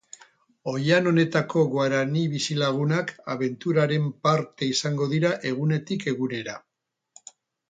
Oihan honetako guarani bizilagunak abenturaren parte izango dira egunetik egunera.